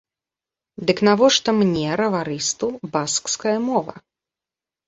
Дык навошта мне, раварысту, баскская мова?